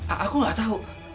aku gak tau